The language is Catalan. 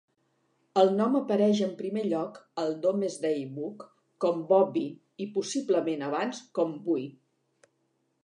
El nom apareix en primer lloc al Domesday Book com "Bovi" i possiblement abans con "Buui".